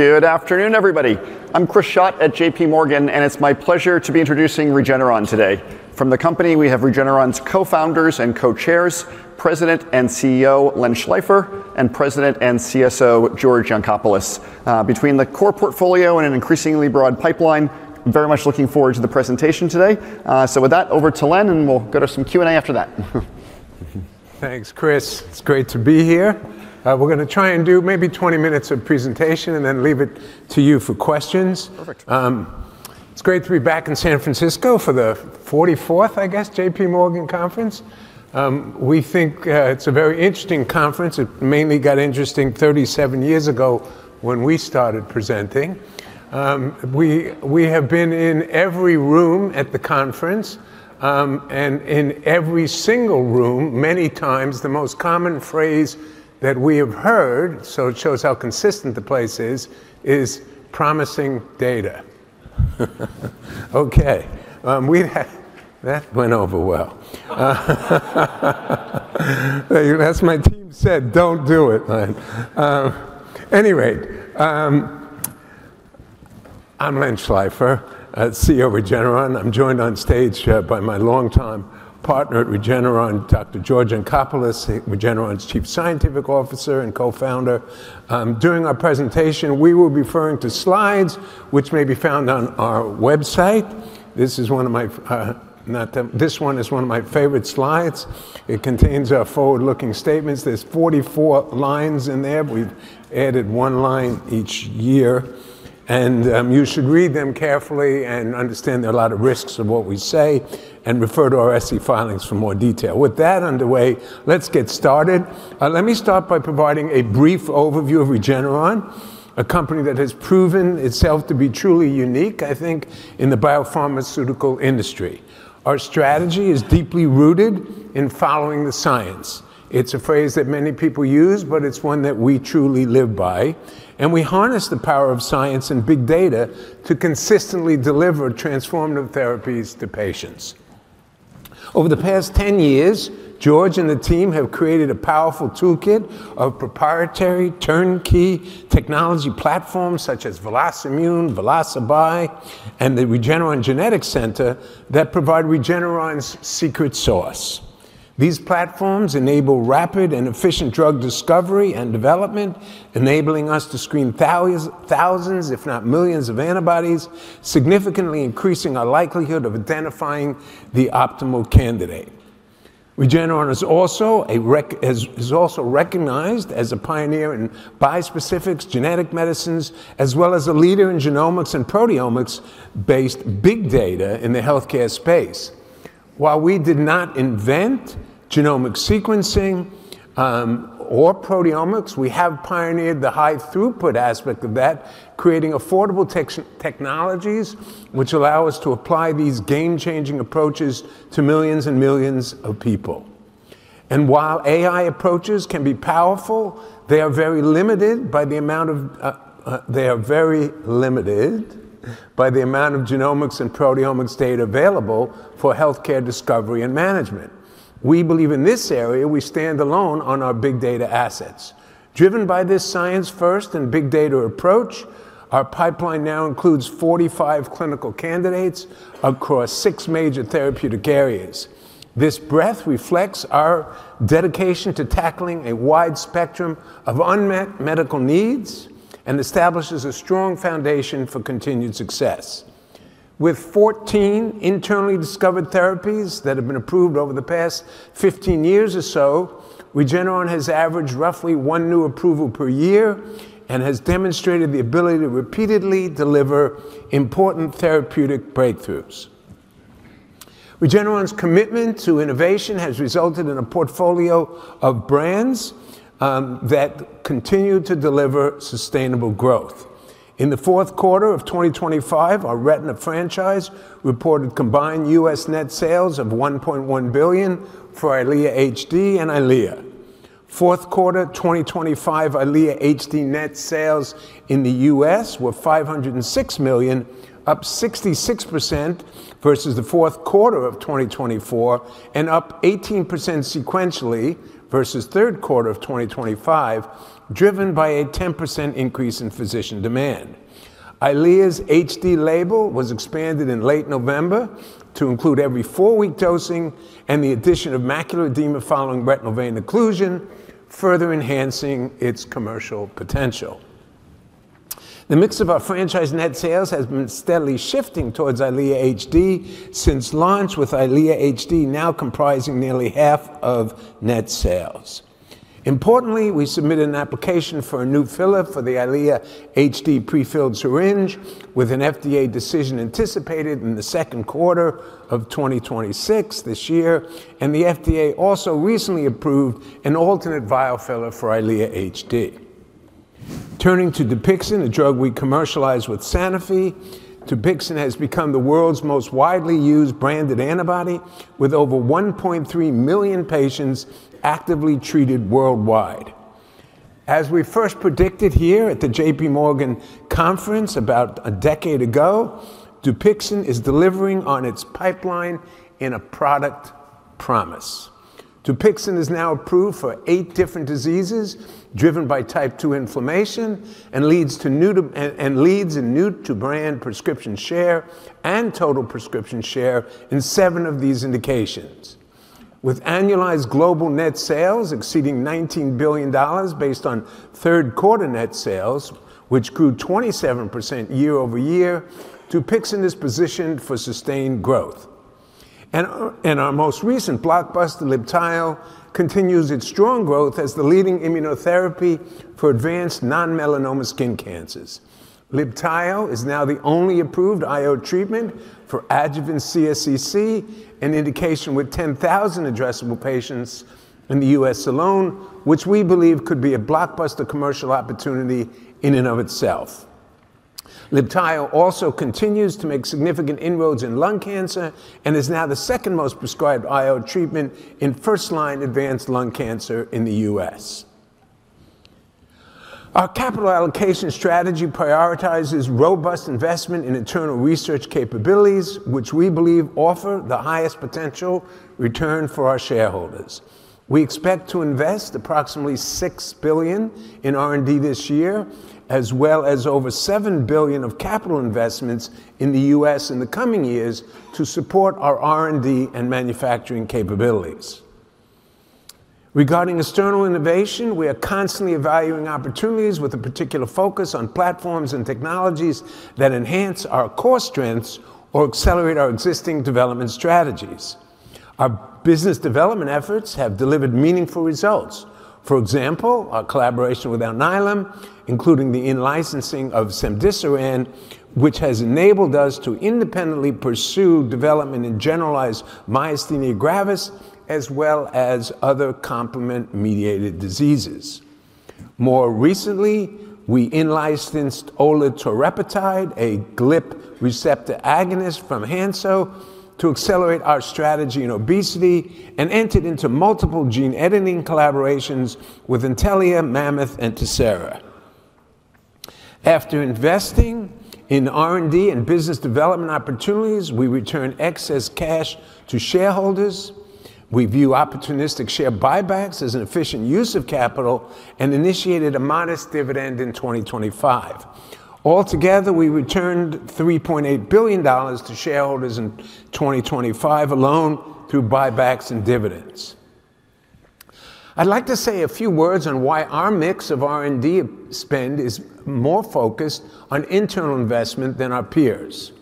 Good afternoon, everybody. I'm Chris Schott at JPMorgan, and it's my pleasure to be introducing Regeneron today. From the company, we have Regeneron's co-founders and co-chairs, President and CEO Len Schleifer, and President and CSO George Yancopoulos. Between the core portfolio and an increasingly broad pipeline, I'm very much looking forward to the presentation today. So with that, over to Len, and we'll go to some Q&A after that. Thanks, Chris. It's great to be here. We're going to try and do maybe 20 minutes of presentation and then leave it to you for questions. Perfect. It's great to be back in San Francisco for the 44th, I guess, J.P. Morgan Conference. We think it's a very interesting conference. It mainly got interesting 37 years ago when we started presenting. We have been in every room at the conference, and in every single room, many times, the most common phrase that we have heard, so it shows how consistent the place is, is "promising data." OK, that went over well. That's my team said, "Don't do it." Anyway, I'm Len Schleifer, CEO of Regeneron. I'm joined on stage by my longtime partner at Regeneron, Dr. George Yancopoulos, Regeneron's Chief Scientific Officer and co-founder. During our presentation, we will be referring to slides, which may be found on our website. This is one of my favorite slides. It contains our forward-looking statements. There's 44 lines in there. We've added one line each year. And you should read them carefully and understand there are a lot of risks of what we say, and refer to our SEC filings for more detail. With that underway, let's get started. Let me start by providing a brief overview of Regeneron, a company that has proven itself to be truly unique, I think, in the biopharmaceutical industry. Our strategy is deeply rooted in following the science. It's a phrase that many people use, but it's one that we truly live by. And we harness the power of science and big data to consistently deliver transformative therapies to patients. Over the past 10 years, George and the team have created a powerful toolkit of proprietary turnkey technology platforms such as VelocImmune, VelociAb, and the Regeneron Genetics Center that provide Regeneron's secret sauce. These platforms enable rapid and efficient drug discovery and development, enabling us to screen thousands, if not millions, of antibodies, significantly increasing our likelihood of identifying the optimal candidate. Regeneron is also recognized as a pioneer in bispecifics, genetic medicines, as well as a leader in genomics and proteomics-based big data in the health care space. While we did not invent genomic sequencing or proteomics, we have pioneered the high-throughput aspect of that, creating affordable technologies, which allow us to apply these game-changing approaches to millions and millions of people. And while AI approaches can be powerful, they are very limited by the amount of genomics and proteomics data available for health care discovery and management. We believe in this area we stand alone on our big data assets. Driven by this science-first and big data approach, our pipeline now includes 45 clinical candidates across six major therapeutic areas. This breadth reflects our dedication to tackling a wide spectrum of unmet medical needs and establishes a strong foundation for continued success. With 14 internally discovered therapies that have been approved over the past 15 years or so, Regeneron has averaged roughly one new approval per year and has demonstrated the ability to repeatedly deliver important therapeutic breakthroughs. Regeneron's commitment to innovation has resulted in a portfolio of brands that continue to deliver sustainable growth. In the fourth quarter of 2025, our Retina franchise reported combined U.S. net sales of $1.1 billion for Eylea HD and Eylea. Fourth quarter 2025, Eylea HD net sales in the U.S. were $506 million, up 66% versus the fourth quarter of 2024, and up 18% sequentially versus the third quarter of 2025, driven by a 10% increase in physician demand. Eylea HD's label was expanded in late November to include every four-week dosing and the addition of macular edema following retinal vein occlusion, further enhancing its commercial potential. The mix of our franchise net sales has been steadily shifting towards Eylea HD since launch, with Eylea HD now comprising nearly half of net sales. Importantly, we submitted an application for a new filler for the Eylea HD prefilled syringe, with an FDA decision anticipated in the second quarter of 2026 this year, and the FDA also recently approved an alternate vial filler for Eylea HD. Turning to Dupixent, a drug we commercialize with Sanofi, Dupixent has become the world's most widely used branded antibody, with over 1.3 million patients actively treated worldwide. As we first predicted here at the J.P. Morgan Conference about a decade ago, Dupixent is delivering on its pipeline in a product promise. Dupixent is now approved for eight different diseases driven by type 2 inflammation and leads in new-to-brand prescription share and total prescription share in seven of these indications. With annualized global net sales exceeding $19 billion, based on third quarter net sales, which grew 27% year over year, Dupixent is positioned for sustained growth. Our most recent blockbuster, Libtayo, continues its strong growth as the leading immunotherapy for advanced non-melanoma skin cancers. Libtayo is now the only approved IO treatment for adjuvant CSCC, an indication with 10,000 addressable patients in the US alone, which we believe could be a blockbuster commercial opportunity in and of itself. Libtayo also continues to make significant inroads in lung cancer and is now the second most prescribed IO treatment in first-line advanced lung cancer in the US. Our capital allocation strategy prioritizes robust investment in internal research capabilities, which we believe offer the highest potential return for our shareholders. We expect to invest approximately $6 billion in R&D this year, as well as over $7 billion of capital investments in the US in the coming years to support our R&D and manufacturing capabilities. Regarding external innovation, we are constantly evaluating opportunities with a particular focus on platforms and technologies that enhance our core strengths or accelerate our existing development strategies. Our business development efforts have delivered meaningful results. For example, our collaboration with Alnylam, including the in-licensing of cemdisiran, which has enabled us to independently pursue development in generalized myasthenia gravis, as well as other complement-mediated diseases. More recently, we in-licensed HS-20094, a GLP-1 receptor agonist from Hansoh, to accelerate our strategy in obesity and entered into multiple gene editing collaborations with Intellia, Mammoth, and Tessera. After investing in R&D and business development opportunities, we returned excess cash to shareholders. We view opportunistic share buybacks as an efficient use of capital and initiated a modest dividend in 2025. Altogether, we returned $3.8 billion to shareholders in 2025 alone through buybacks and dividends. I'd like to say a few words on why our mix of R&D spend is more focused on internal investment than our peers.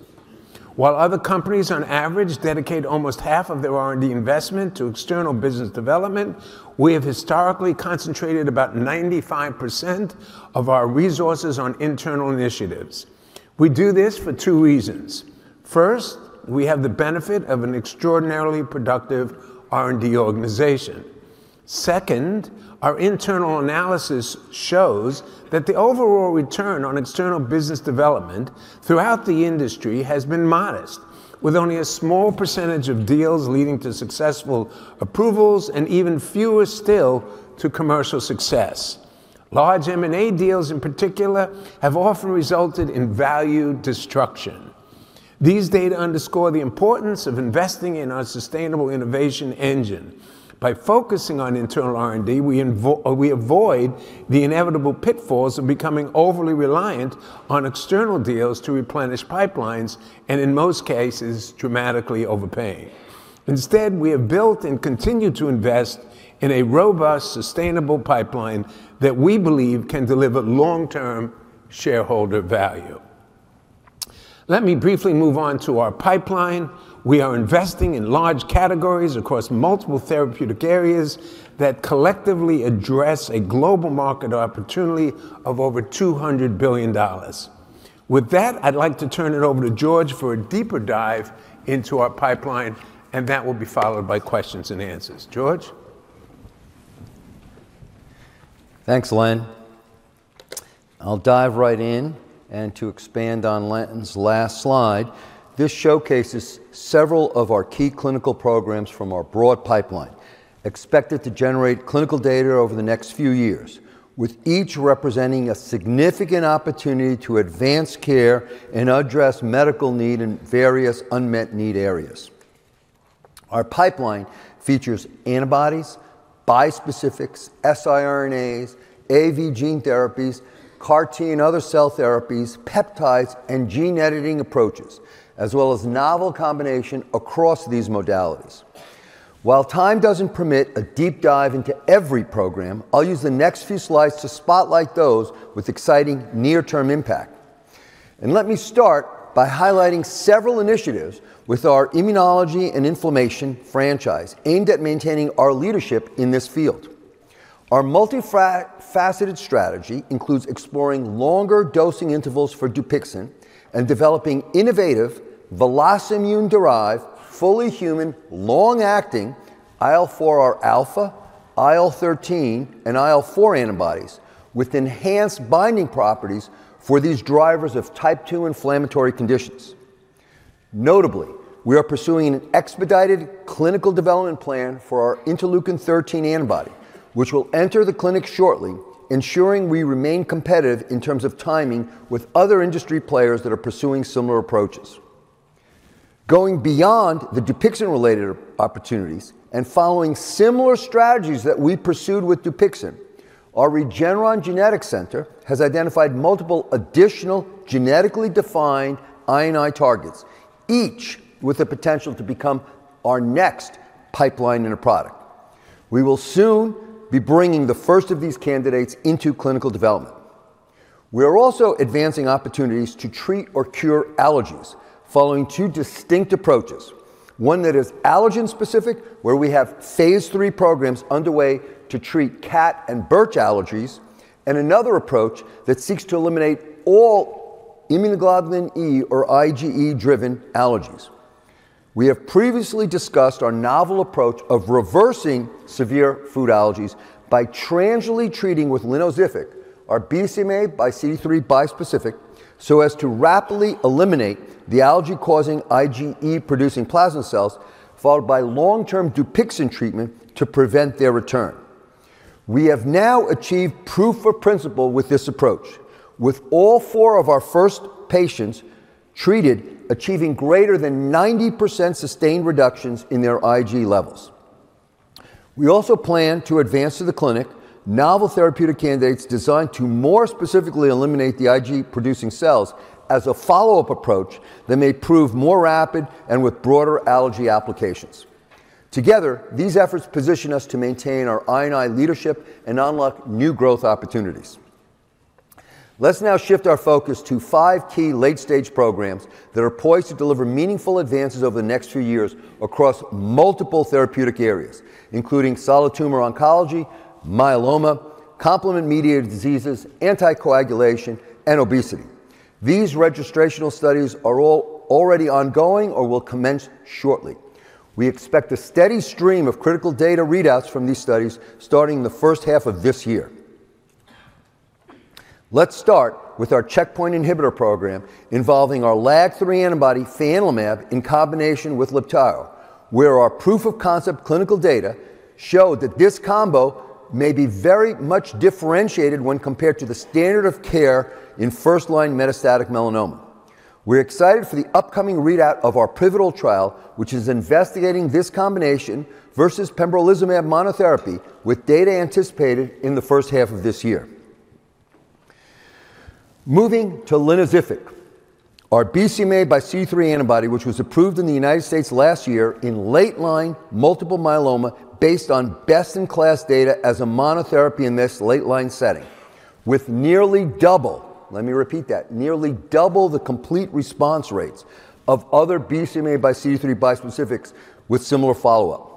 While other companies, on average, dedicate almost half of their R&D investment to external business development, we have historically concentrated about 95% of our resources on internal initiatives. We do this for two reasons. First, we have the benefit of an extraordinarily productive R&D organization. Second, our internal analysis shows that the overall return on external business development throughout the industry has been modest, with only a small percentage of deals leading to successful approvals and even fewer still to commercial success. Large M&A deals, in particular, have often resulted in value destruction. These data underscore the importance of investing in our sustainable innovation engine. By focusing on internal R&D, we avoid the inevitable pitfalls of becoming overly reliant on external deals to replenish pipelines and, in most cases, dramatically overpay. Instead, we have built and continue to invest in a robust, sustainable pipeline that we believe can deliver long-term shareholder value. Let me briefly move on to our pipeline. We are investing in large categories across multiple therapeutic areas that collectively address a global market opportunity of over $200 billion. With that, I'd like to turn it over to George for a deeper dive into our pipeline, and that will be followed by questions and answers. George? Thanks, Len. I'll dive right in. To expand on Len's last slide, this showcases several of our key clinical programs from our broad pipeline, expected to generate clinical data over the next few years, with each representing a significant opportunity to advance care and address medical need in various unmet need areas. Our pipeline features antibodies, bispecifics, siRNAs, AAV gene therapies, CAR T and other cell therapies, peptides, and gene editing approaches, as well as novel combinations across these modalities. While time doesn't permit a deep dive into every program, I'll use the next few slides to spotlight those with exciting near-term impact. Let me start by highlighting several initiatives with our immunology and inflammation franchise aimed at maintaining our leadership in this field. Our multifaceted strategy includes exploring longer dosing intervals for Dupixent and developing innovative VelocImmune-derived, fully human, long-acting IL4R alpha, IL13, and IL4 antibodies with enhanced binding properties for these drivers of type 2 inflammatory conditions. Notably, we are pursuing an expedited clinical development plan for our Interleukin-13 antibody, which will enter the clinic shortly, ensuring we remain competitive in terms of timing with other industry players that are pursuing similar approaches. Going beyond the Dupixent-related opportunities and following similar strategies that we pursued with Dupixent, our Regeneron Genetics Center has identified multiple additional genetically defined I&I targets, each with the potential to become our next pipeline in a product. We will soon be bringing the first of these candidates into clinical development. We are also advancing opportunities to treat or cure allergies following two distinct approaches: one that is allergen-specific, where we have phase three programs underway to treat cat and birch allergies, and another approach that seeks to eliminate all immunoglobulin E or IgE-driven allergies. We have previously discussed our novel approach of reversing severe food allergies by transiently treating with Linvoseltamab, our BCMAxCD3 bispecific, so as to rapidly eliminate the allergy-causing IgE-producing plasma cells, followed by long-term Dupixent treatment to prevent their return. We have now achieved proof of principle with this approach, with all four of our first patients treated achieving greater than 90% sustained reductions in their IgE levels. We also plan to advance to the clinic novel therapeutic candidates designed to more specifically eliminate the IgE-producing cells as a follow-up approach that may prove more rapid and with broader allergy applications. Together, these efforts position us to maintain our IO leadership and unlock new growth opportunities. Let's now shift our focus to five key late-stage programs that are poised to deliver meaningful advances over the next few years across multiple therapeutic areas, including solid tumor oncology, myeloma, complement-mediated diseases, anticoagulation, and obesity. These registrational studies are all already ongoing or will commence shortly. We expect a steady stream of critical data readouts from these studies starting in the first half of this year. Let's start with our checkpoint inhibitor program involving our LAG-3 antibody fianlimab in combination with Libtayo, where our proof of concept clinical data showed that this combo may be very much differentiated when compared to the standard of care in first-line metastatic melanoma. We're excited for the upcoming readout of our pivotal trial, which is investigating this combination versus pembrolizumab monotherapy with data anticipated in the first half of this year. Moving to Linvoseltamab, our BCMA x CD3 antibody, which was approved in the United States last year in late-line multiple myeloma based on best-in-class data as a monotherapy in this late-line setting, with nearly double, let me repeat that, nearly double the complete response rates of other BCMA x CD3 bispecifics with similar follow-up.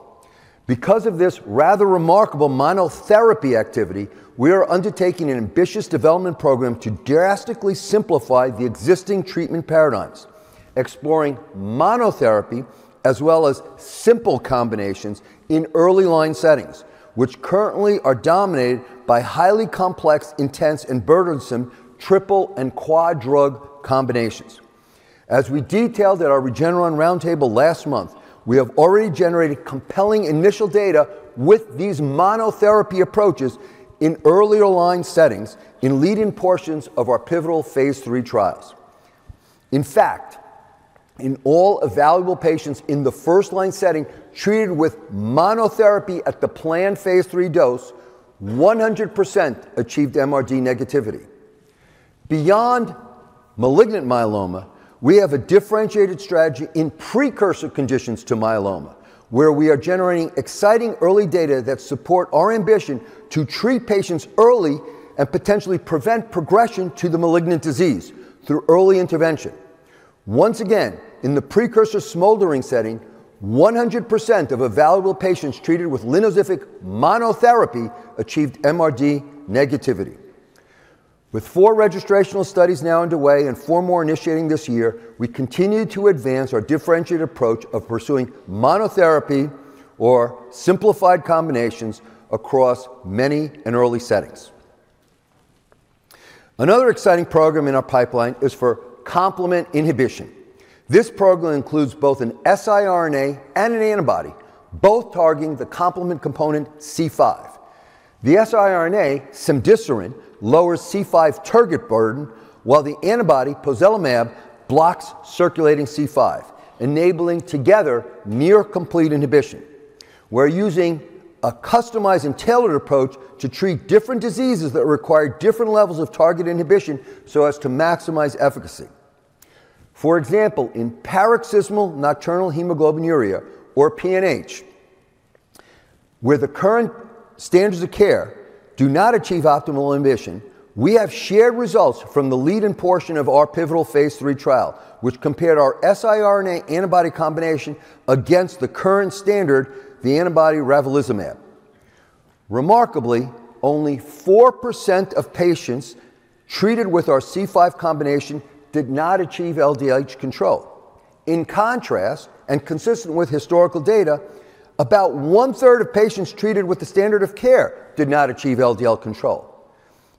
Because of this rather remarkable monotherapy activity, we are undertaking an ambitious development program to drastically simplify the existing treatment paradigms, exploring monotherapy as well as simple combinations in early-line settings, which currently are dominated by highly complex, intense, and burdensome triple and quad drug combinations. As we detailed at our Regeneron Roundtable last month, we have already generated compelling initial data with these monotherapy approaches in earlier-line settings in leading portions of our pivotal phase three trials. In fact, in all available patients in the first-line setting treated with monotherapy at the planned phase three dose, 100% achieved MRD negativity. Beyond multiple myeloma, we have a differentiated strategy in precursor conditions to myeloma, where we are generating exciting early data that support our ambition to treat patients early and potentially prevent progression to the malignant disease through early intervention. Once again, in the precursor smoldering setting, 100% of available patients treated with Linvoseltamab monotherapy achieved MRD negativity. With four registrational studies now underway and four more initiating this year, we continue to advance our differentiated approach of pursuing monotherapy or simplified combinations across many and early settings. Another exciting program in our pipeline is for complement inhibition. This program includes both an siRNA and an antibody, both targeting the complement component C5. The siRNA Cemdisiran lowers C5 target burden, while the antibody Pozelimab blocks circulating C5, enabling together near-complete inhibition. We're using a customized intelligent approach to treat different diseases that require different levels of target inhibition so as to maximize efficacy. For example, in paroxysmal nocturnal hemoglobinuria, or PNH, where the current standards of care do not achieve optimal inhibition, we have shared results from the leading portion of our pivotal phase 3 trial, which compared our siRNA antibody combination against the current standard, the antibody Ravulizumab. Remarkably, only 4% of patients treated with our C5 combination did not achieve LDH control. In contrast, and consistent with historical data, about one-third of patients treated with the standard of care did not achieve LDH control.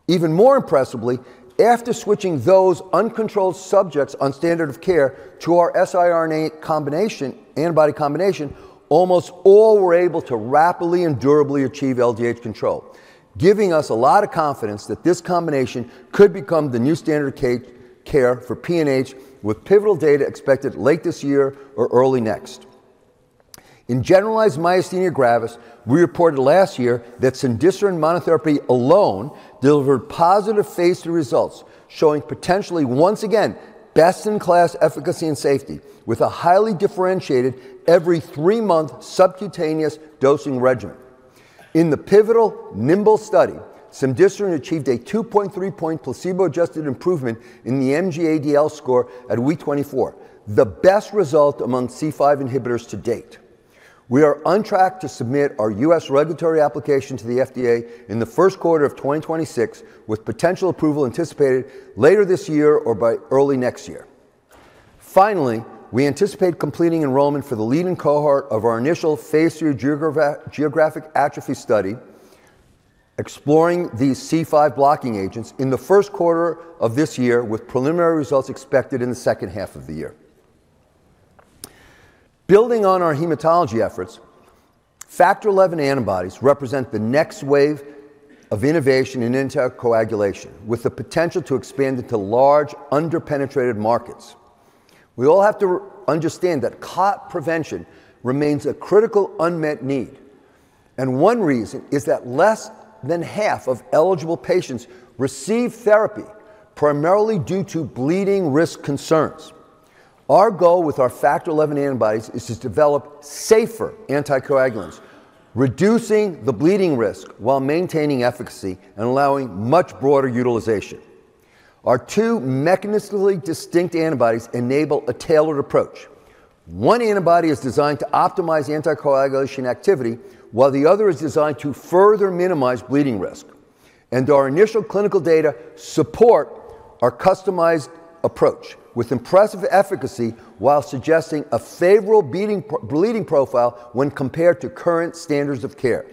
Even more impressively, after switching those uncontrolled subjects on standard of care to our siRNA antibody combination, almost all were able to rapidly and durably achieve LDH control, giving us a lot of confidence that this combination could become the new standard of care for PNH, with pivotal data expected late this year or early next. In generalized myasthenia gravis, we reported last year that Cemdisiran monotherapy alone delivered positive phase 3 results, showing potentially, once again, best-in-class efficacy and safety with a highly differentiated every three-month subcutaneous dosing regimen. In the pivotal Nimble study, Cemdisiran achieved a 2.3-point placebo-adjusted improvement in the MG-ADL score at week 24, the best result among C5 inhibitors to date. We are on track to submit our U.S. regulatory application to the FDA in the first quarter of 2026, with potential approval anticipated later this year or by early next year. Finally, we anticipate completing enrollment for the leading cohort of our initial phase 3 geographic atrophy study, exploring these C5 blocking agents in the first quarter of this year, with preliminary results expected in the second half of the year. Building on our hematology efforts, Factor XI antibodies represent the next wave of innovation in anticoagulation, with the potential to expand into large under-penetrated markets. We all have to understand that stroke prevention remains a critical unmet need, and one reason is that less than half of eligible patients receive therapy primarily due to bleeding risk concerns. Our goal with our Factor XI antibodies is to develop safer anticoagulants, reducing the bleeding risk while maintaining efficacy and allowing much broader utilization. Our two mechanistically distinct antibodies enable a tailored approach. One antibody is designed to optimize anticoagulation activity, while the other is designed to further minimize bleeding risk. Our initial clinical data support our customized approach with impressive efficacy while suggesting a favorable bleeding profile when compared to current standards of care.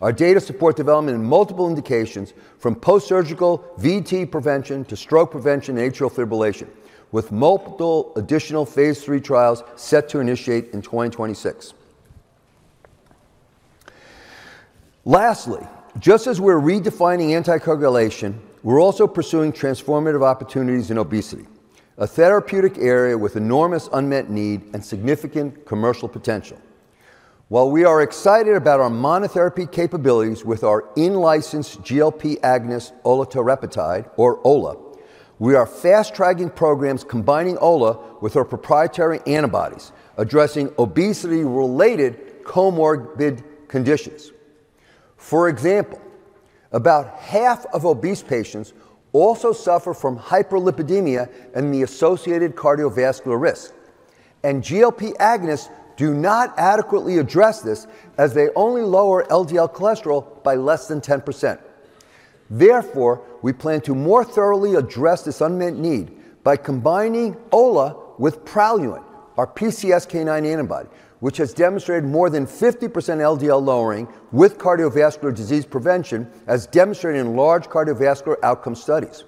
Our data support development in multiple indications, from post-surgical VTE prevention to stroke prevention and atrial fibrillation, with multiple additional phase three trials set to initiate in 2026. Lastly, just as we're redefining anticoagulation, we're also pursuing transformative opportunities in obesity, a therapeutic area with enormous unmet need and significant commercial potential. While we are excited about our monotherapy capabilities with our in-licensed GLP agonist Oloterepatide, or OLA, we are fast-tracking programs combining OLA with our proprietary antibodies, addressing obesity-related comorbid conditions. For example, about half of obese patients also suffer from hyperlipidemia and the associated cardiovascular risk. GLP agonists do not adequately address this, as they only lower LDL cholesterol by less than 10%. Therefore, we plan to more thoroughly address this unmet need by combining OLA with Praluent, our PCSK9 antibody, which has demonstrated more than 50% LDL lowering with cardiovascular disease prevention, as demonstrated in large cardiovascular outcome studies.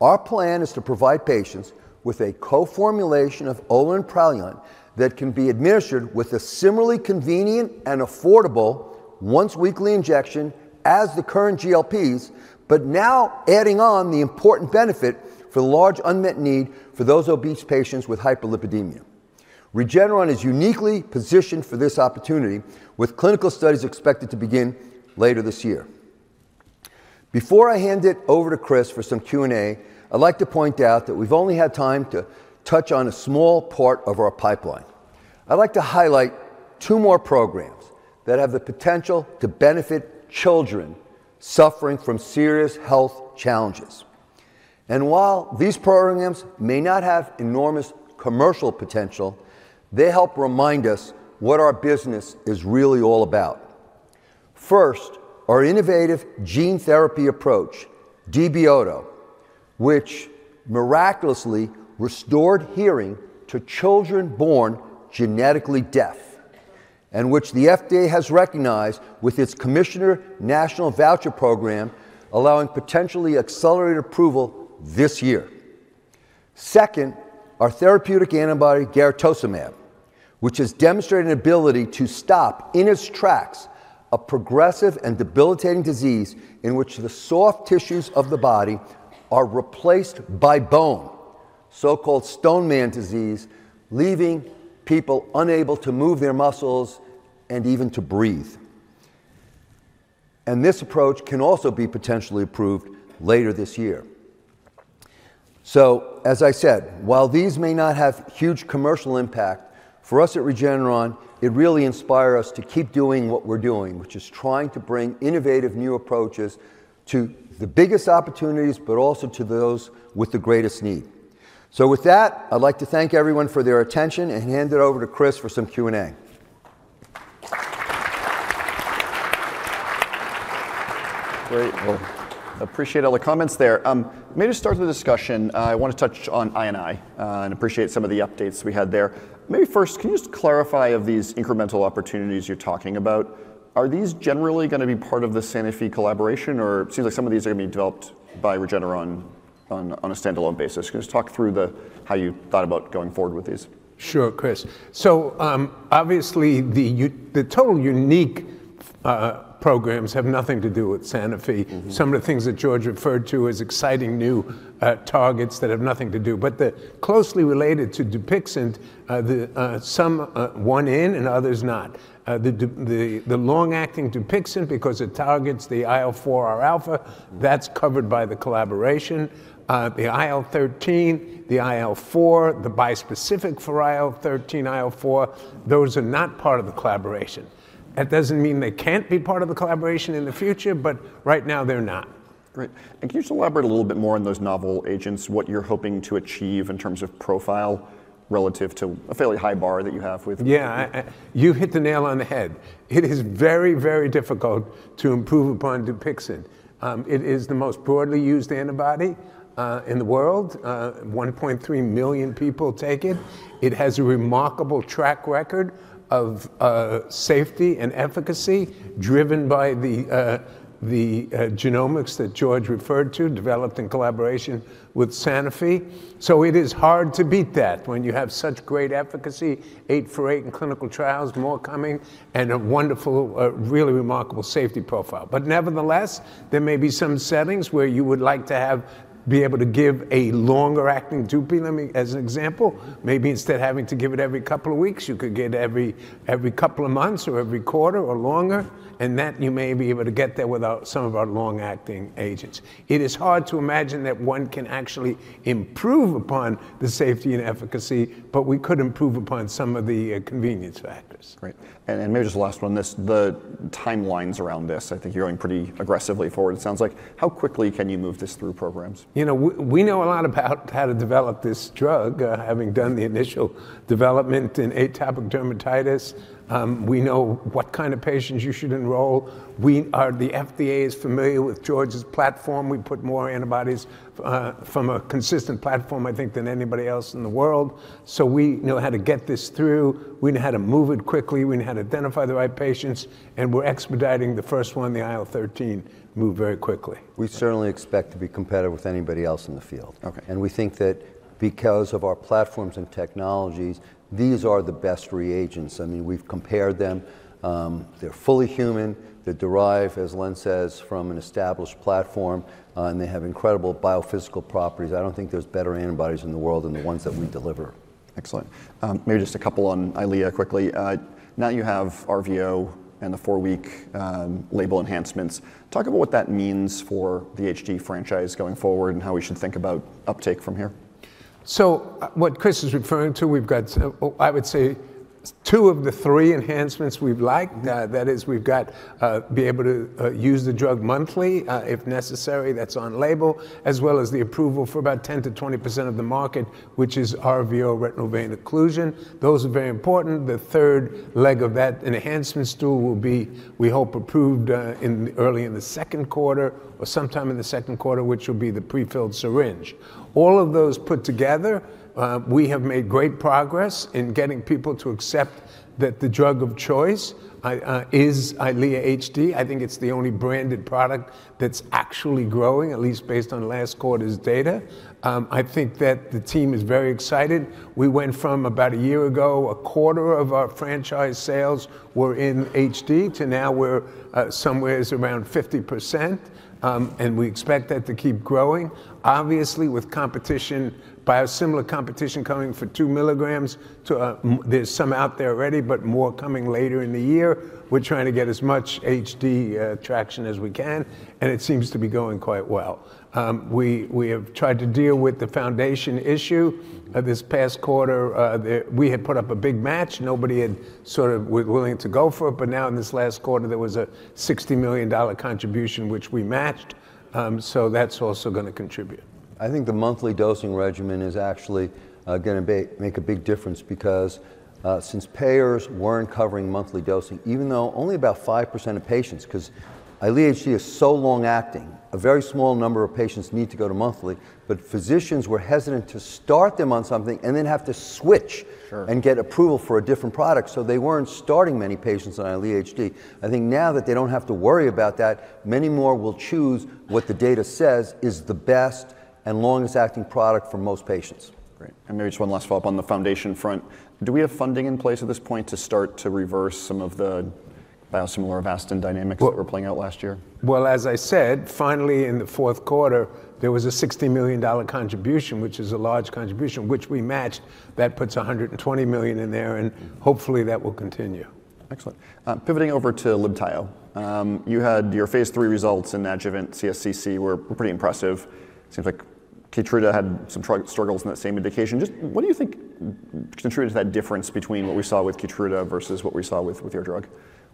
Our plan is to provide patients with a co-formulation of OLA and Praluent that can be administered with a similarly convenient and affordable once-weekly injection as the current GLPs, but now adding on the important benefit for the large unmet need for those obese patients with hyperlipidemia. Regeneron is uniquely positioned for this opportunity, with clinical studies expected to begin later this year. Before I hand it over to Chris for some Q&A, I'd like to point out that we've only had time to touch on a small part of our pipeline. I'd like to highlight two more programs that have the potential to benefit children suffering from serious health challenges. And while these programs may not have enormous commercial potential, they help remind us what our business is really all about. First, our innovative gene therapy approach, DB-OTO, which miraculously restored hearing to children born genetically deaf, and which the FDA has recognized with its Commissioner National Voucher Program, allowing potentially accelerated approval this year. Second, our therapeutic antibody, Garetosmab, which has demonstrated an ability to stop in its tracks a progressive and debilitating disease in which the soft tissues of the body are replaced by bone, so-called stone man disease, leaving people unable to move their muscles and even to breathe. And this approach can also be potentially approved later this year. So, as I said, while these may not have huge commercial impact, for us at Regeneron, it really inspires us to keep doing what we're doing, which is trying to bring innovative new approaches to the biggest opportunities, but also to those with the greatest need. So with that, I'd like to thank everyone for their attention and hand it over to Chris for some Q&A. Great. Well, I appreciate all the comments there. Maybe to start the discussion, I want to touch on IO and appreciate some of the updates we had there. Maybe first, can you just clarify of these incremental opportunities you're talking about, are these generally going to be part of the Sanofi collaboration, or it seems like some of these are going to be developed by Regeneron on a standalone basis? Can you just talk through how you thought about going forward with these? Sure, Chris. So obviously, the total unique programs have nothing to do with Sanofi. Some of the things that George referred to as exciting new targets that have nothing to do, but the closely related to Dupixent, some in and others not. The long-acting Dupixent, because it targets the IL-4R alpha, that's covered by the collaboration. The IL-13, the IL-4, the bispecific for IL-13, IL-4, those are not part of the collaboration. That doesn't mean they can't be part of the collaboration in the future, but right now they're not. Great. And can you elaborate a little bit more on those novel agents, what you're hoping to achieve in terms of profile relative to a fairly high bar that you have with? Yeah, you hit the nail on the head. It is very, very difficult to improve upon Dupixent. It is the most broadly used antibody in the world. 1.3 million people take it. It has a remarkable track record of safety and efficacy driven by the genomics that George referred to, developed in collaboration with Sanofi, so it is hard to beat that when you have such great efficacy, eight for eight in clinical trials, more coming, and a wonderful, really remarkable safety profile, but nevertheless, there may be some settings where you would like to be able to give a longer-acting dupilumab as an example. Maybe instead of having to give it every couple of weeks, you could get it every couple of months or every quarter or longer, and that you may be able to get there with some of our long-acting agents. It is hard to imagine that one can actually improve upon the safety and efficacy, but we could improve upon some of the convenience factors. Right. And maybe just last on this, the timelines around this. I think you're going pretty aggressively forward. It sounds like, how quickly can you move this through programs? You know, we know a lot about how to develop this drug, having done the initial development in atopic dermatitis. We know what kind of patients you should enroll. The FDA is familiar with George's platform. We put more antibodies from a consistent platform, I think, than anybody else in the world. So we know how to get this through. We know how to move it quickly. We know how to identify the right patients. And we're expediting the first one, the IL-13, move very quickly. We certainly expect to be competitive with anybody else in the field. And we think that because of our platforms and technologies, these are the best reagents. I mean, we've compared them. They're fully human. They're derived, as Len says, from an established platform, and they have incredible biophysical properties. I don't think there's better antibodies in the world than the ones that we deliver. Excellent. Maybe just a couple on Eylea quickly. Now you have RVO and the four-week label enhancements. Talk about what that means for the HD franchise going forward and how we should think about uptake from here. So what Chris is referring to, we've got, I would say, two of the three enhancements we'd like. That is, we've got to be able to use the drug monthly if necessary, that's on label, as well as the approval for about 10%-20% of the market, which is RVO retinal vein occlusion. Those are very important. The third leg of that enhancement stool will be, we hope, approved early in the second quarter or sometime in the second quarter, which will be the prefilled syringe. All of those put together, we have made great progress in getting people to accept that the drug of choice is Eylea HD. I think it's the only branded product that's actually growing, at least based on last quarter's data. I think that the team is very excited. We went from about a year ago, a quarter of our franchise sales were in HD to now we're somewhere around 50%, and we expect that to keep growing. Obviously, with competition, biosimilar competition coming for two milligrams, there's some out there already, but more coming later in the year. We're trying to get as much HD traction as we can, and it seems to be going quite well. We have tried to deal with the foundation issue. This past quarter, we had put up a big match. Nobody had sort of was willing to go for it, but now in this last quarter, there was a $60 million contribution, which we matched. So that's also going to contribute. I think the monthly dosing regimen is actually going to make a big difference because since payers weren't covering monthly dosing, even though only about 5% of patients, because Eylea HD is so long-acting, a very small number of patients need to go to monthly, but physicians were hesitant to start them on something and then have to switch and get approval for a different product. So they weren't starting many patients on Eylea HD. I think now that they don't have to worry about that, many more will choose what the data says is the best and longest-acting product for most patients. Great. And maybe just one last follow-up on the foundation front. Do we have funding in place at this point to start to reverse some of the biosimilar Avastin dynamics that were playing out last year? Well, as I said, finally in the fourth quarter, there was a $60 million contribution, which is a large contribution, which we matched. That puts $120 million in there, and hopefully that will continue. Excellent. Pivoting over to Libtayo. You had your phase three results in adjuvant CSCC were pretty impressive. It seems like Keytruda had some struggles in that same indication. Just what do you think contributes to that difference between what we saw with Keytruda versus what we saw with your drug?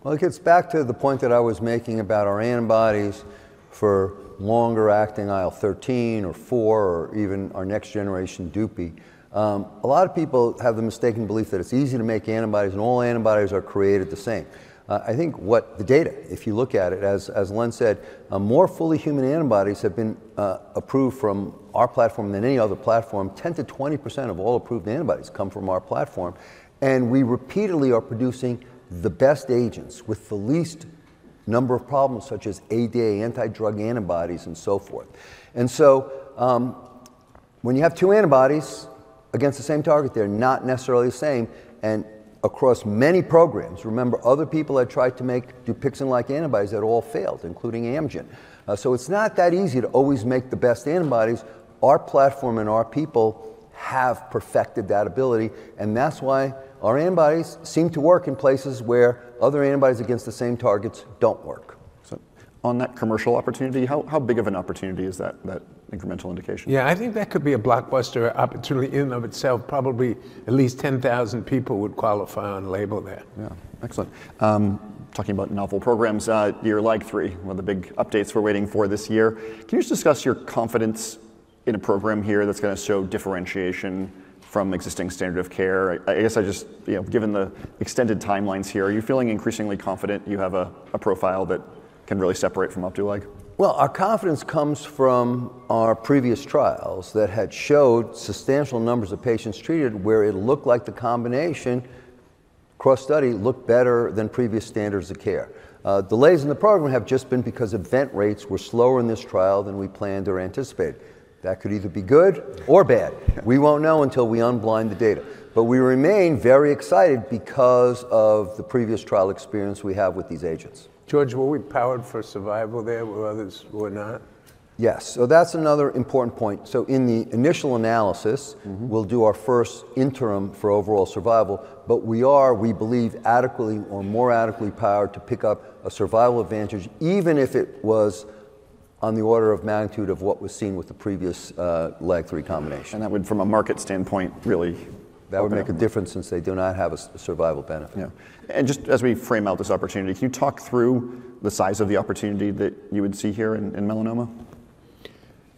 It gets back to the point that I was making about our antibodies for longer-acting IL-13 or 4 or even our next generation dupi. A lot of people have the mistaken belief that it's easy to make antibodies and all antibodies are created the same. I think what the data, if you look at it, as Len said, more fully human antibodies have been approved from our platform than any other platform. 10%-20% of all approved antibodies come from our platform. We repeatedly are producing the best agents with the least number of problems, such as ADA anti-drug antibodies and so forth. When you have two antibodies against the same target, they're not necessarily the same. Across many programs, remember, other people had tried to make Dupixent-like antibodies that all failed, including Amgen. So it's not that easy to always make the best antibodies. Our platform and our people have perfected that ability. And that's why our antibodies seem to work in places where other antibodies against the same targets don't work. On that commercial opportunity, how big of an opportunity is that incremental indication? Yeah, I think that could be a blockbuster opportunity in and of itself. Probably at least 10,000 people would qualify on label there. Yeah. Excellent. Talking about novel programs, you're like three, one of the big updates we're waiting for this year. Can you just discuss your confidence in a program here that's going to show differentiation from existing standard of care? I guess I just, given the extended timelines here, are you feeling increasingly confident you have a profile that can really separate from Opdulag? Our confidence comes from our previous trials that had showed substantial numbers of patients treated where it looked like the combination cross-study looked better than previous standards of care. Delays in the program have just been because event rates were slower in this trial than we planned or anticipated. That could either be good or bad. We won't know until we unblind the data. But we remain very excited because of the previous trial experience we have with these agents. George, were we powered for survival there? Were others not? Yes. That's another important point. In the initial analysis, we'll do our first interim for overall survival, but we are, we believe, adequately or more adequately powered to pick up a survival advantage, even if it was on the order of magnitude of what was seen with the previous phase three combination. And that would, from a market standpoint, really be a big difference. That would make a difference since they do not have a survival benefit. And just as we frame out this opportunity, can you talk through the size of the opportunity that you would see here in melanoma?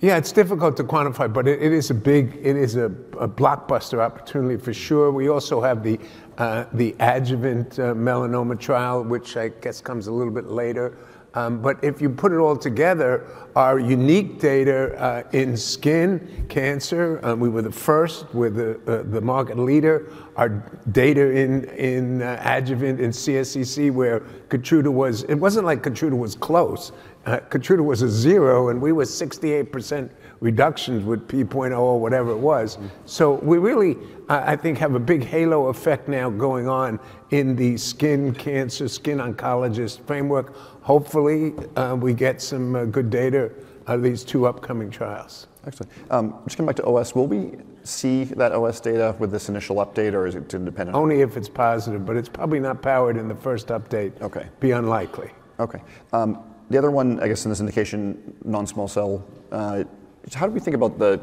Yeah, it's difficult to quantify, but it is a blockbuster opportunity for sure. We also have the adjuvant melanoma trial, which I guess comes a little bit later. But if you put it all together, our unique data in skin cancer. We were the first. We're the market leader. Our data in adjuvant and CSCC, where Keytruda was. It wasn't like Keytruda was close. Keytruda was a zero, and we were 68% reductions with PD-1, whatever it was. So we really, I think, have a big halo effect now going on in the skin cancer, skin oncologist framework. Hopefully, we get some good data of these two upcoming trials. Excellent. Just coming back to OS, will we see that OS data with this initial update, or is it dependent? Only if it's positive, but it's probably not powered in the first update. Be unlikely. Okay. The other one, I guess, in this indication, non-small cell, how do we think about the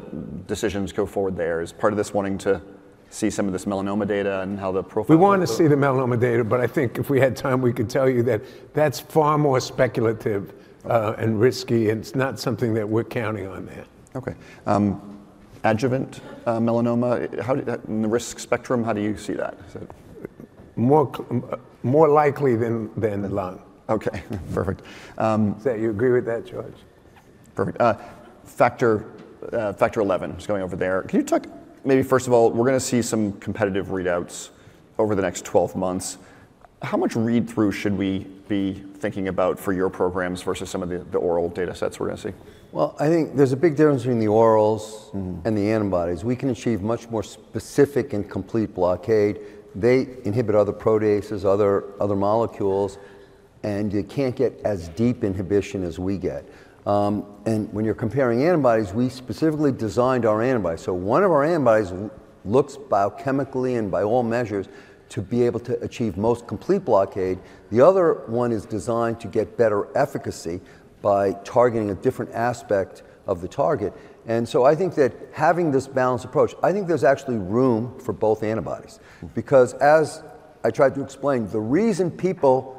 decisions go forward there? Is part of this wanting to see some of this melanoma data and how the profile? We want to see the melanoma data, but I think if we had time, we could tell you that that's far more speculative and risky, and it's not something that we're counting on there. Okay. Adjuvant melanoma, in the risk spectrum, how do you see that? More likely than none. Okay. Perfect. You agree with that, George? Perfect. Factor XI is going over there. Can you talk, maybe first of all, we're going to see some competitive readouts over the next 12 months. How much read-through should we be thinking about for your programs versus some of the oral data sets we're going to see? Well, I think there's a big difference between the orals and the antibodies. We can achieve much more specific and complete blockade. They inhibit other proteases, other molecules, and you can't get as deep inhibition as we get. And when you're comparing antibodies, we specifically designed our antibodies. So one of our antibodies looks biochemically and by all measures to be able to achieve most complete blockade. The other one is designed to get better efficacy by targeting a different aspect of the target. And so I think that having this balanced approach, I think there's actually room for both antibodies. Because as I tried to explain, the reason people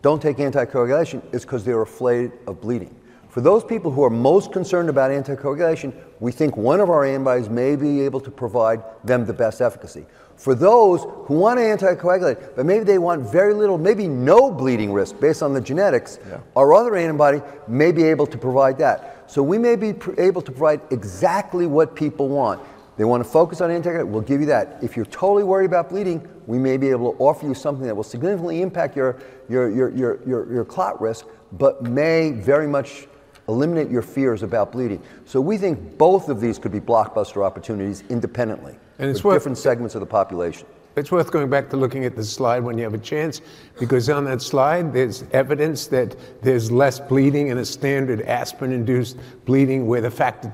don't take anticoagulation is because they're afraid of bleeding. For those people who are most concerned about anticoagulation, we think one of our antibodies may be able to provide them the best efficacy. For those who want to anticoagulate, but maybe they want very little, maybe no bleeding risk based on the genetics, our other antibody may be able to provide that. So we may be able to provide exactly what people want. They want to focus on anticoagulation, we'll give you that. If you're totally worried about bleeding, we may be able to offer you something that will significantly impact your clot risk, but may very much eliminate your fears about bleeding. So we think both of these could be blockbuster opportunities independently for different segments of the population. It's worth going back to looking at the slide when you have a chance because on that slide, there's evidence that there's less bleeding in a standard aspirin-induced bleeding where the Factor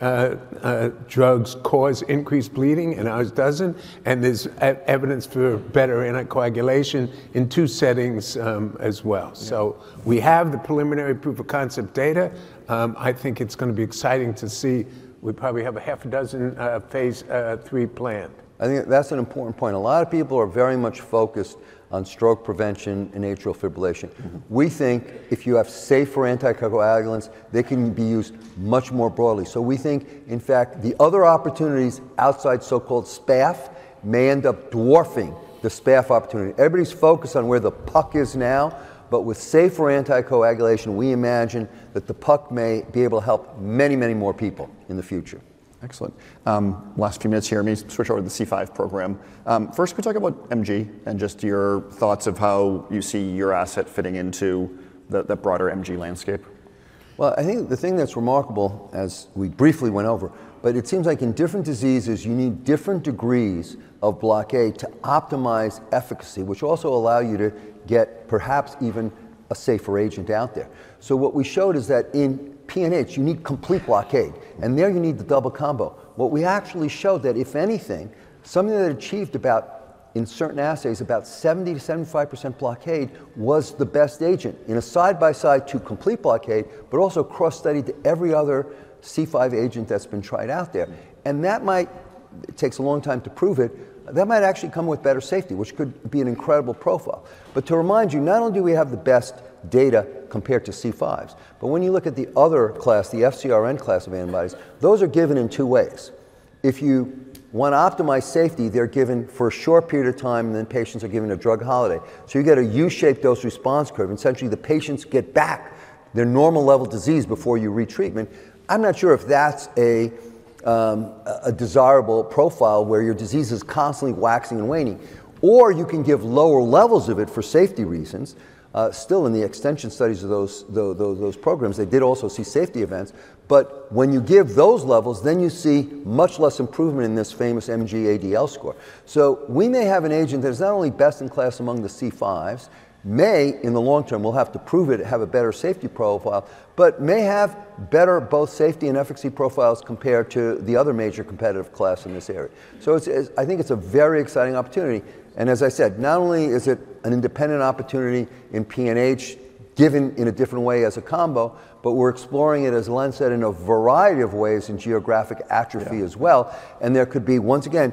X drugs cause increased bleeding and ours doesn't. And there's evidence for better anticoagulation in two settings as well. So we have the preliminary proof of concept data. I think it's going to be exciting to see. We probably have a half a dozen phase three planned. I think that's an important point. A lot of people are very much focused on stroke prevention and atrial fibrillation. We think if you have safer anticoagulants, they can be used much more broadly. So we think, in fact, the other opportunities outside so-called SPAF may end up dwarfing the SPAF opportunity. Everybody's focused on where the puck is now, but with safer anticoagulation, we imagine that the puck may be able to help many, many more people in the future. Excellent. Last few minutes here. Let me switch over to the C5 program. First, can we talk about MG and just your thoughts of how you see your asset fitting into the broader MG landscape? Well, I think the thing that's remarkable, as we briefly went over, but it seems like in different diseases, you need different degrees of blockade to optimize efficacy, which also allow you to get perhaps even a safer agent out there. So what we showed is that in PNH, you need complete blockade, and there you need the double combo. What we actually showed that, if anything, something that achieved about in certain assays, about 70%-75% blockade was the best agent in a side-by-side to complete blockade, but also cross-studied to every other C5 agent that's been tried out there. And that might, it takes a long time to prove it, that might actually come with better safety, which could be an incredible profile. But to remind you, not only do we have the best data compared to C5s, but when you look at the other class, the FCRN class of antibodies, those are given in two ways. If you want to optimize safety, they're given for a short period of time, and then patients are given a drug holiday. So you get a U-shaped dose-response curve, and essentially the patients get back their normal level of disease before you retreatment. I'm not sure if that's a desirable profile where your disease is constantly waxing and waning, or you can give lower levels of it for safety reasons. Still, in the extension studies of those programs, they did also see safety events, but when you give those levels, then you see much less improvement in this famous MG-ADL score, so we may have an agent that is not only best in class among the C5s, may in the long term, we'll have to prove it, have a better safety profile, but may have better both safety and efficacy profiles compared to the other major competitive class in this area, so I think it's a very exciting opportunity. And as I said, not only is it an independent opportunity in PNH given in a different way as a combo, but we're exploring it, as Len said, in a variety of ways in geographic atrophy as well. And there could be, once again,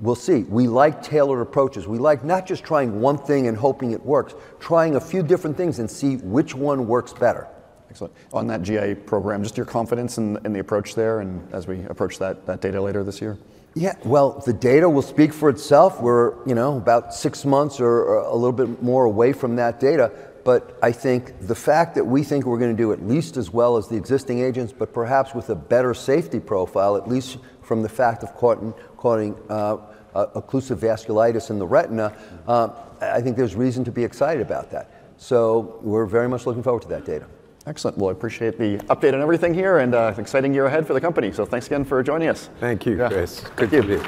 we'll see. We like tailored approaches. We like not just trying one thing and hoping it works, trying a few different things and see which one works better. Excellent. On that GA program, just your confidence in the approach there and as we approach that data later this year? Yeah. Well, the data will speak for itself. We're about six months or a little bit more away from that data. But I think the fact that we think we're going to do at least as well as the existing agents, but perhaps with a better safety profile, at least from the fact of causing occlusive vasculitis in the retina. I think there's reason to be excited about that. So we're very much looking forward to that data. Excellent. Well, I appreciate the update on everything here and exciting year ahead for the company. So thanks again for joining us. Thank you, Chris. Good to be here.